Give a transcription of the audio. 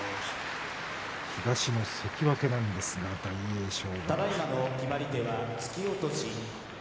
東の関脇なんですが大栄翔。